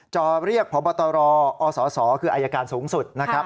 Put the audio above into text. จอเรียกพบตรอสอคืออายการสูงสุดนะครับ